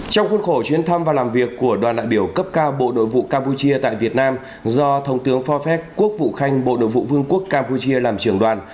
trong khuôn khổ chuyến thăm và làm việc của đoàn đại biểu cấp cao bộ đội vụ campuchia tại việt nam do thống tướng phó phép quốc vũ khanh bộ đội vụ vương quốc campuchia làm trưởng đoàn